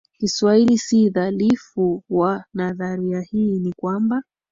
Kiswahili si dhaifu wa nadharia hii ni kwamba